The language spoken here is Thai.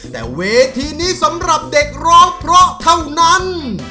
แต่เวทีนี้สำหรับเด็กร้องเพราะเท่านั้น